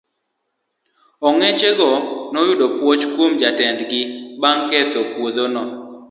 Ong'eche go noyudo puoch kuom jatend gi bang' ketho puodhono.